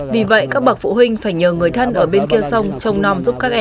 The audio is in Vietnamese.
vì vậy các bậc phụ huynh phải nhờ người thân ở bên kia sông trồng nòm giúp các em